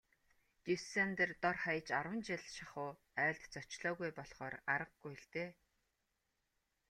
Дюссандер дор хаяж арван жил шахуу айлд зочлоогүй болохоор аргагүй л дээ.